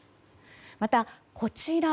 また、こちら。